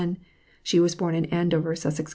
She was born in Andover, Sussex Co.